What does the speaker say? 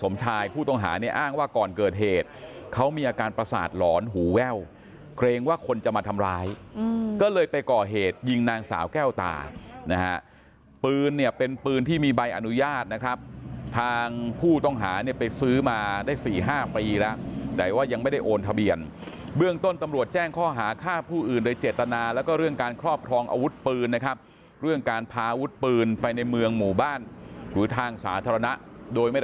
มีอาการประสาทหลอนหูแว้วเครงว่าคนจะมาทำร้ายก็เลยไปก่อเหตุยิงนางสาวแก้วตานะฮะปืนเนี่ยเป็นปืนที่มีใบอนุญาตนะครับทางผู้ต้องหาเนี่ยไปซื้อมาได้สี่ห้าปีแล้วแต่ว่ายังไม่ได้โอนทะเบียนเบื้องต้นตำรวจแจ้งข้อหาฆ่าผู้อื่นในเจตนาแล้วก็เรื่องการครอบครองอาวุธปืนนะครับเรื่องการพาอาวุธปืนไป